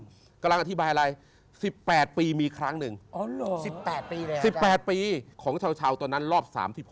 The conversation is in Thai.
กำลังอธิบายอะไร๑๘ปีมีครั้งหนึ่ง๑๘ปีแล้ว๑๘ปีของชาวตอนนั้นรอบ๓๖